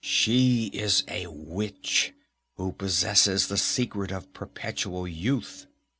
She is a witch, who possesses the secret of perpetual youth."